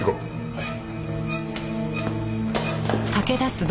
はい。